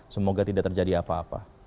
semoga tidak terjadi apa apa